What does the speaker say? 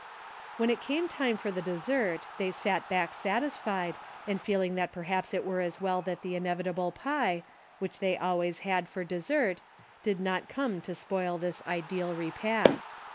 When it came time for the dessert they sat back satisfied, and feeling that perhaps it were as well that the inevitable pie, which they al ways had for dessert, did not come to spoil this ideal repast.